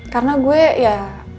karena gue ya